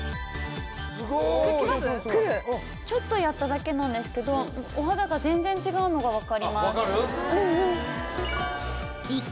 ちょっとやっただけなんですけどお肌が全然違うのが分かります。